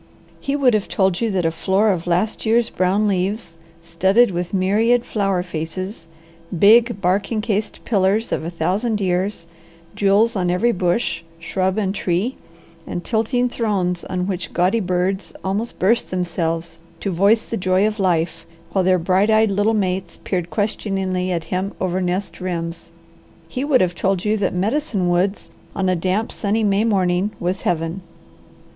He would have told you that a floor of last year's brown leaves, studded with myriad flower faces, big, bark encased pillars of a thousand years, jewels on every bush, shrub, and tree, and tilting thrones on which gaudy birds almost burst themselves to voice the joy of life, while their bright eyed little mates peered questioningly at him over nest rims he would have told you that Medicine Woods on a damp, sunny May morning was Heaven.